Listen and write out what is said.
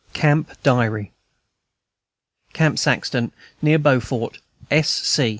Camp Diary CAMP SAXTON, near Beaufort, S. C.